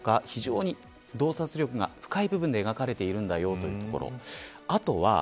非常に洞察力が深い部分で描かれているんだというところ。